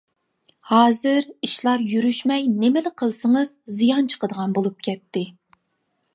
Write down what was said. ھازىر ئىشلار يۈرۈشمەي نېمىلا قىلسىڭىز زىيان چىقىدىغان بولۇپ كەتتى.